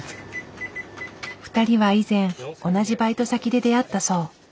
２人は以前同じバイト先で出会ったそう。